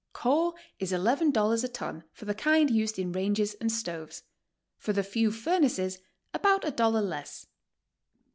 ' Coal is $ii a ton for the kind used in ranges and stoves; for the few furnaces, about a dollar less.